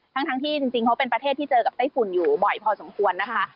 ทั้งที่จริงเขาเป็นประเทศที่เจอกับไต้ฝุ่นอยู่บ่อยพอสมควรนะคะ